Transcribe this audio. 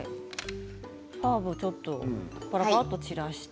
ハーブをちょっとパラパラと散らして。